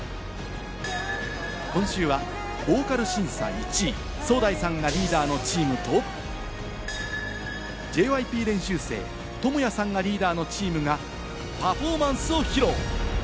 今週はボーカル審査１位・ソウダイさんがリーダーのチームと、ＪＹＰ練習生・トモヤさんがリーダーのチームがパフォーマンスを披露。